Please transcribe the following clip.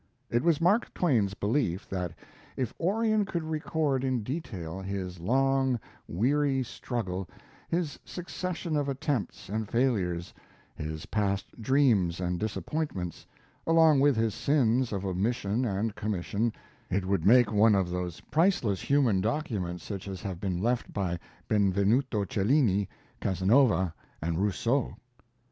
It was Mark Twain's belief that if Orion would record in detail his long, weary struggle, his succession of attempts and failures, his past dreams and disappointments, along with his sins of omission and commission, it would make one of those priceless human documents such as have been left by Benvenuto Cellini, Cazenova, and Rousseau.